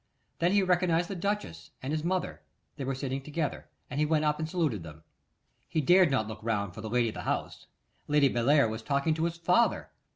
Then he recognised the duchess and his mother; they were sitting together, and he went up and saluted them. He dared not look round for the lady of the house. Lady Bellair was talking to his father.